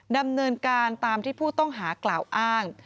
ดำเนินการตามที่ผู้ต้องหากล่าวอ้าง